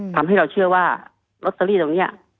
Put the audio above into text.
ทำให้เราเชื่อว่าลอตเตอรี่เหล่านี้